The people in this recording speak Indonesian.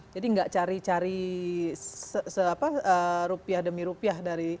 jadi tidak cari cari seapa rupiah demi rupiah dari